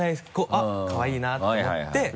「あっかわいいな」と思って。